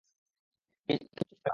কিচ্ছু ছুঁয়ো না।